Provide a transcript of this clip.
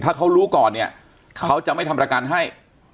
ถ้าเขารู้ก่อนเนี่ยเขาจะไม่ทำประกันให้